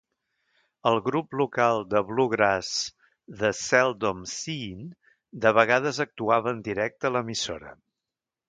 El grup local de bluegrass The Seldom Scene de vegades actuava en directe a l'emissora.